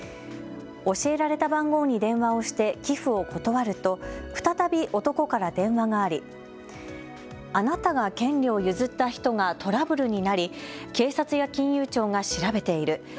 教えられた番号に電話をして寄付を断ると再び男から電話がありあなたが権利を譲った人がトラブルになり警察や金融庁が調べている。